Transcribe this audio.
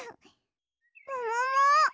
ももも！？